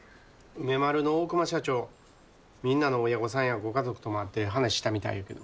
梅丸の大熊社長みんなの親御さんやご家族とも会って話したみたいやけど。